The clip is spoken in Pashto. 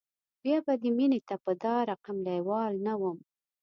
بیا به دې مینې ته په دا رقم لیوال نه وم